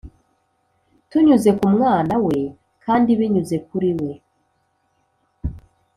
tunyuze ku Mwana we, kandi “binyuze kuri we